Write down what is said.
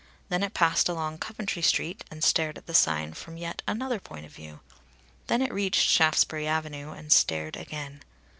Then it passed along Coventry Street, and stared at the sign from yet another point of view. Then it reached Shaftesbury Avenue, and stared again.